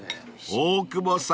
［大久保さん